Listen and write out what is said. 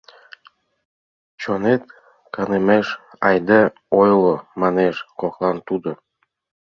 Чонет канымеш, айда ойло, — манеш коклан тудо.